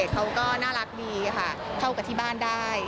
เขาก็น่ารักดีค่ะเข้ากับที่บ้านได้